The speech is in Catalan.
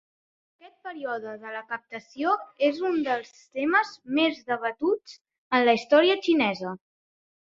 Aquest període de la captació és un dels temes més debatuts en la història xinesa.